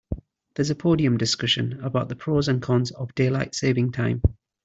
There's a podium discussion about the pros and cons of daylight saving time.